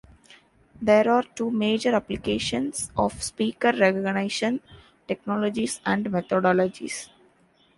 There are two major applications of "speaker recognition" technologies and methodologies.